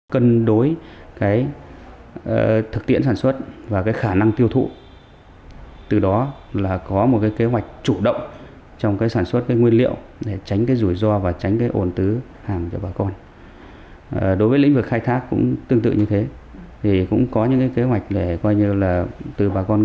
cần đối cái thực tiễn sản xuất và cái khả năng tiêu thụ từ đó là có một cái kế hoạch chủ động trong cái sản xuất cái nguyên liệu để tránh cái rủi ro và tránh cái ổn tứ hàng cho bà con